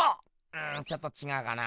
うんちょっとちがうかな。